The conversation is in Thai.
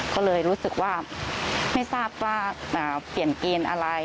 ก็เลยรู้สึกว่าไม่ทราบว่าเปลี่ยนเกณฑ์อะไร